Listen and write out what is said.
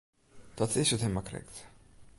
Dat is it him mar krekt.